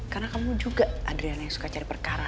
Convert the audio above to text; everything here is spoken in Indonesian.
karena kamu juga adriana yang suka cari perkara